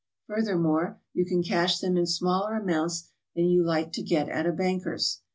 Furthermore, you can cash them in smaller amounts than you like to get at a banker's.